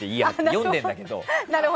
読んでるんだけど。